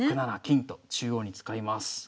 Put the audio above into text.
６七金と中央に使います。